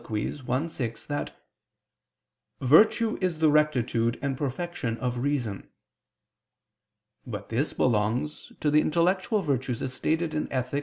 i, 6) that "virtue is the rectitude and perfection of reason." But this belongs to the intellectual virtues, as stated in _Ethic.